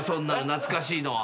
懐かしいのは。